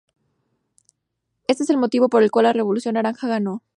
Este es el motivo por el cual la Revolución naranja ganó".